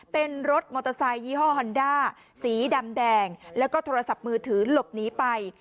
เป็นรถมอเตอร์ไซคยี่ห้อฮอนด้าสีดำแดงแล้วก็โทรศัพท์มือถือหลบหนีไป